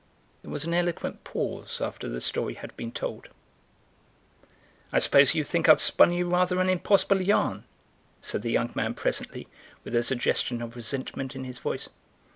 There was an eloquent pause after the story had been told. "I suppose you think I've spun you rather an impossible yarn," said the young man presently, with a suggestion of resentment in his voice.